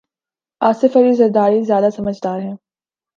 آصف علی زرداری زیادہ سمجھدار ہیں۔